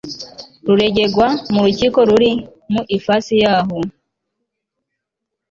ruregerwa mu rukiko ruri mu ifasi y aho